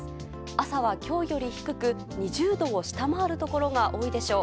朝は今日より低く２０度を下回るところが多いでしょう。